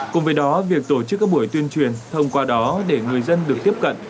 cùng với đó việc tổ chức các buổi tuyên truyền thông qua đó để người dân được tiếp cận